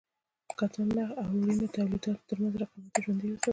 د کتان- نخ او وړینو تولیداتو ترمنځ رقابت یې ژوندی وساته.